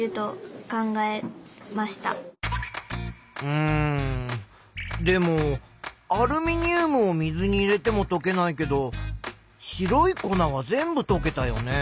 うんでもアルミニウムを水に入れてもとけないけど白い粉は全部とけたよね。